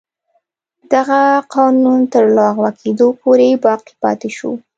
دغه قانون تر لغوه کېدو پورې باقي پاتې شو.